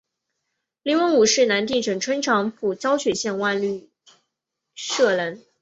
黎文敔是南定省春长府胶水县万禄社人。